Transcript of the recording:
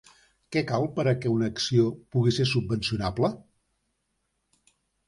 Què cal per a què una acció pugui ser subvencionable?